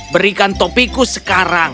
berikan topiku sekarang